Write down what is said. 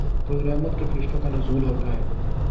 تو رحمت کے فرشتوں کا نزول ہوتا ہے۔